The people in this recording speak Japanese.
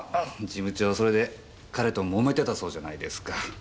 事務長それで彼ともめてたそうじゃないですか。